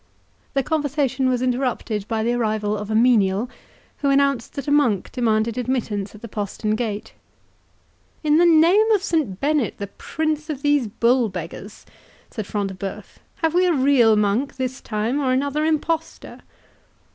The conversation was interrupted by the arrival of a menial, who announced that a monk demanded admittance at the postern gate. "In the name of Saint Bennet, the prince of these bull beggars," said Front de Bœuf, "have we a real monk this time, or another impostor?